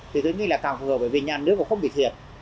thì tôi nghĩ là càng phù hợp bởi vì nhà nước mà không bị thiệt